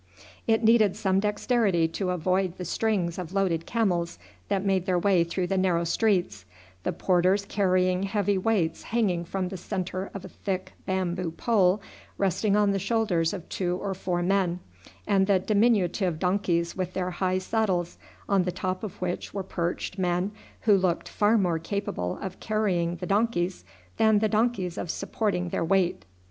It needed some dexterity to avoid the strings of loaded camels that made their way through the narrow streets, the porters carrying heavy weights hanging from the centre of a thick bamboo pole resting on the shoulders of two or four men, and the diminutive donkeys with their high saddles, on the top of which were perched men who looked far more capable of carrying the donkeys than the donkeys of supporting their weight.